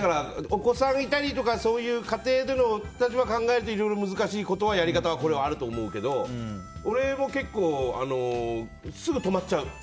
お子さんがいたりそういう家庭での立場を考えるといろいろ難しいことはあると思うけど俺も結構すぐ泊まっちゃう。